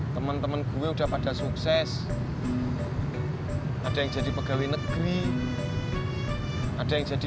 teman teman gue udah pada sukses ada yang jadi pegawai negeri ada yang jadi